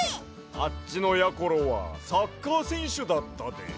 あっちのやころはサッカーせんしゅだったで。